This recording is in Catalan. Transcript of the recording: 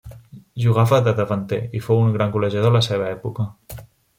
Jugava de davanter i fou un gran golejador a la seva època.